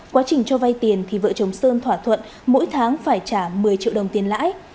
quá trình cho vay tiền thì vợ chồng sơn thỏa thuận mỗi tháng phải trả một mươi triệu đồng tiền lãi